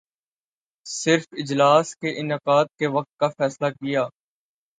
صرف اجلاس کے انعقاد کے وقت کا فیصلہ کیا